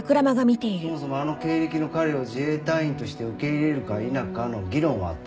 そもそもあの経歴の彼を自衛隊員として受け入れるか否かの議論はあった。